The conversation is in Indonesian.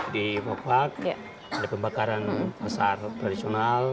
di fokwak ada pembakaran besar tradisional